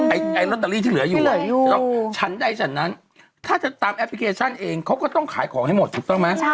ไอ้ลอตเตอรี่ที่เหลืออยู่ชั้นใดฉันนั้นถ้าจะตามแอปพลิเคชันเองเขาก็ต้องขายของให้หมดถูกต้องไหม